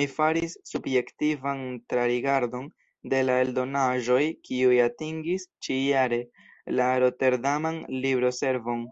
Mi faris subjektivan trarigardon de la eldonaĵoj kiuj atingis ĉi-jare la roterdaman libroservon.